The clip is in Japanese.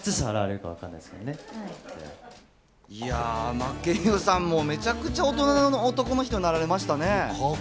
真剣佑さんもめちゃくちゃ大人の男の人になられましたね。